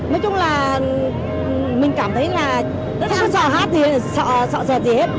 nói chung là mình cảm thấy là không có sợ hát thì sợ sệt gì hết